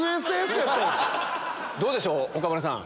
どうでしょう岡村さん